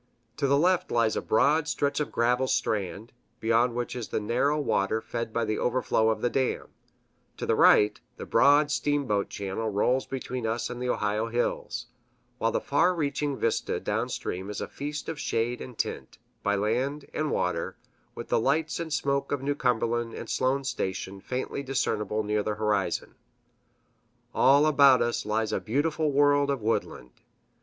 To the left lies a broad stretch of gravel strand, beyond which is the narrow water fed by the overflow of the dam; to the right, the broad steamboat channel rolls between us and the Ohio hills, while the far reaching vista downstream is a feast of shade and tint, by land and water, with the lights and smoke of New Cumberland and Sloan's Station faintly discernible near the horizon. All about us lies a beautiful world of woodland.